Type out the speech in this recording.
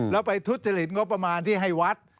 แล้วไปทุจริตงบประมาณที่ให้วัด